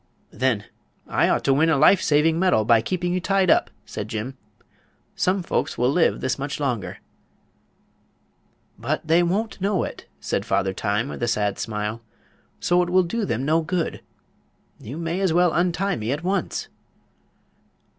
"Then I ought to win a life saving medal by keeping you tied up," said Jim. "Some folks will live this much longer." "But they won't know it," said Father Time, with a sad smile; "so it will do them no good. You may as well untie me at once."